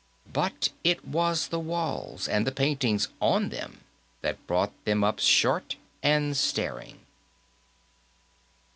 But it was the walls, and the paintings on them, that brought them up short and staring.